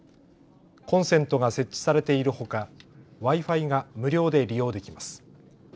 コンセントが設置されているほかＷｉ−Ｆｉが無料で利用できます。